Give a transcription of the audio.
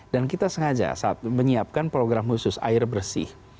dan kita sengaja saat menyiapkan program khusus air bersih